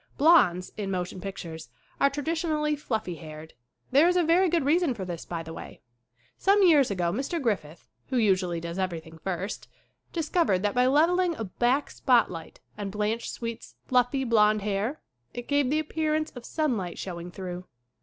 Blonds, in motion pictures, are traditionally fluffy haired. There is a very good reason for this, by the way. Some years ago Mr. Griffith who usually does everything first discov ered that by leveling a back spotlight on Blanche Sweet's fluffy, blond hair it gave the appearance of sunlight showing through.